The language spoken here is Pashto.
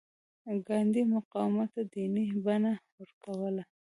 ګاندي مقاومت ته دیني بڼه ورکوله.